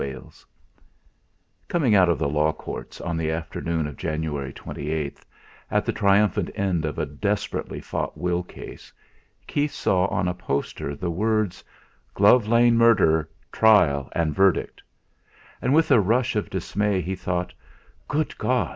VIII Coming out of the Law Courts on the afternoon of January 28th, at the triumphant end of a desperately fought will case, Keith saw on a poster the words: "Glove Lane Murder: Trial and Verdict"; and with a rush of dismay he thought: 'Good God!